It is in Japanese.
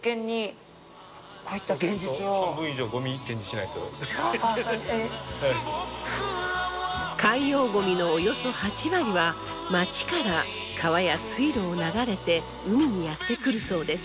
なんといっても海洋ゴミのおよそ８割は町から川や水路を流れて海にやって来るそうです。